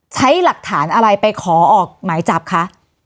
ใช้หลักฐานอะไรไปขอออกหมายจับคะ